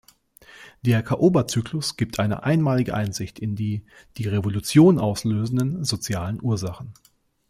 Der Caoba-Zyklus gibt eine einmalige Einsicht in die die Revolution auslösenden sozialen Ursachen.